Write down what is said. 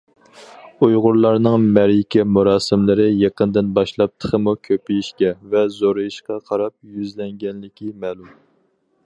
ئۇيغۇرلارنىڭ مەرىكە- مۇراسىملىرى يېقىندىن باشلاپ تېخىمۇ كۆپىيىشكە ۋە زورىيىشقا قاراپ يۈزلەنگەنلىكى مەلۇم.